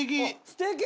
すてき！